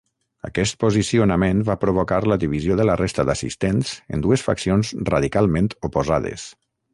Aquest posicionament va provocar la divisió de la resta d'assistents en dues faccions radicalment oposades.